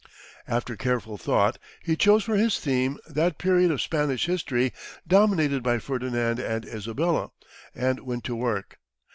After careful thought, he chose for his theme that period of Spanish history dominated by Ferdinand and Isabella, and went to work.